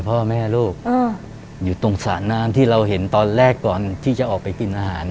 พ่อแม่ลูกอยู่ตรงสระน้ำที่เราเห็นตอนแรกก่อนที่จะออกไปกินอาหาร